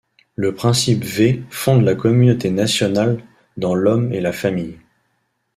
Le principe V fonde la communauté national dans l'homme et la famille.